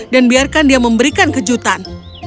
dan biarkan dia memberikan kejutan